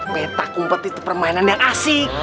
peta kumpet itu permainan yang asik